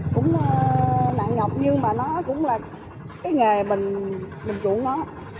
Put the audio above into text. cũng nạn nhọc nhưng mà nó cũng là cái nghề mình chuẩn nó